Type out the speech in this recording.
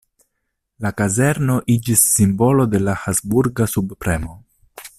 La kazerno iĝis simbolo de la Habsburga subpremo.